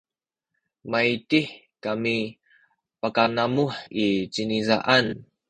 maydih kami pakanamuh i cinizaan